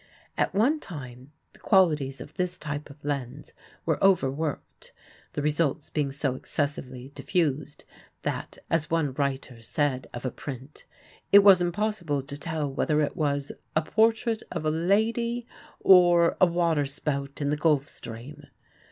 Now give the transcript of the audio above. At one time the qualities of this type of lens were over worked, the results being so excessively diffused that, as one writer said of a print, "it was impossible to tell whether it was a 'Portrait of a Lady' or a 'Water Spout in the Gulf Stream.